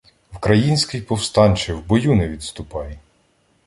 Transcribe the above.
Вкраїнський повстанче, в бою не відступай!